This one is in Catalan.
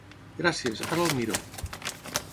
Gràcies, ara el miro!